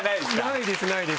ないですないです。